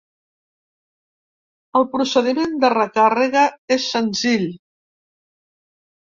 El procediment de recàrrega és senzill.